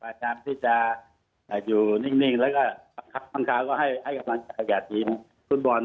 สถานการณ์ที่จะอยู่นิ่งแล้วก็ประทับทางก็ให้กำลังกายแก่ทีมฟุตบอล